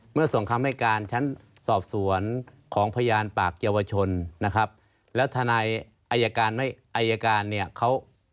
คือเขารับรับกันหมดแต่ว่าอะไรคะ